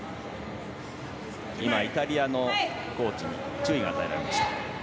今、イタリアのコーチに注意が与えられました。